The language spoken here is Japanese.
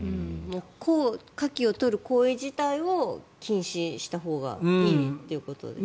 カキを取る行為自体を禁止したほうがいいということですね。